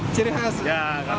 kita harus memiliki produk yang baik